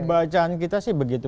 bacaan kita sih begitu